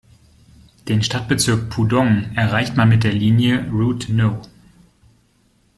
Den Stadtbezirk Pudong erreicht man mit der Linie „Route No.